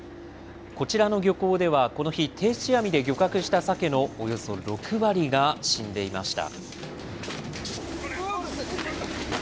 こちらの漁港では、この日、定置網で漁獲したサケのおよそ６割が死んでいました。